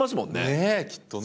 ねえきっとね。